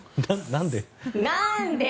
何で？